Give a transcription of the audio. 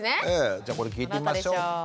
じゃあこれ聞いてみましょうか。